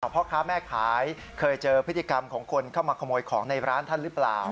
พ่อค้าแม่ขายเคยเจอพฤติกรรมของคนเข้ามาขโมยของในร้านท่านหรือเปล่า